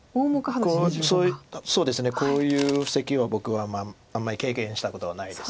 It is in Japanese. こういう布石は僕はあんまり経験したことはないです。